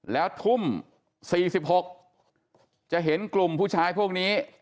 แล้วทุ่ม๔๖จะเห็นกลุ่มผู้ชายพวกนี้